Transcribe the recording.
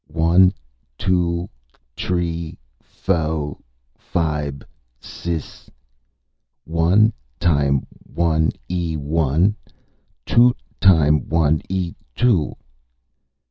"One, two, t'ree, fo', fibe, siss ... One time one ee one, toot time one ee two...."